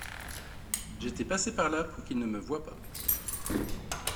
J’étais passé par là pour qu’il ne me voit pas.